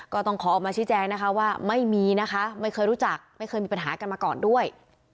ก็ต้องขอออกมาชี้แจงนะคะว่าไม่มีนะคะไม่เคยรู้จักไม่เคยมีปัญหากันมาก่อนด้วย